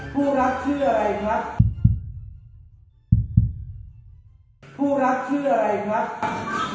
โทรหาต้องโทรหาคะโทรหาเขาให้ใครคะ